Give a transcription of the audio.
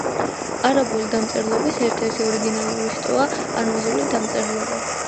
არაბული დამწერლობის ერთ-ერთი ორიგინალური შტოა არმაზული დამწერლობა.